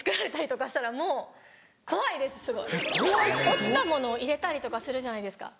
落ちたものを入れたりとかするじゃないですか。